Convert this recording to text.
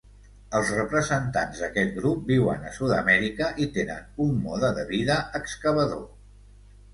Els representants d'aquest grup viuen a Sud-amèrica i tenen un mode de vida excavador.